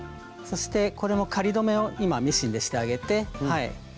そしてこれも仮留めを今ミシンでしてあげて。